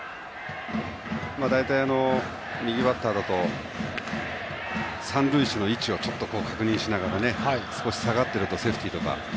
大体、右バッターだと三塁手の位置を確認しつつ少し下がっているとセーフティーとか。